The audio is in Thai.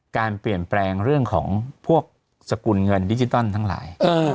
การเปลี่ยนแปลงเรื่องของพวกสกุลเงินดิจิตอลทั้งหลาย